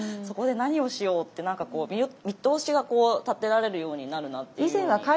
そこで何をしようって何かこう見通しが立てられるようになるなっていうように。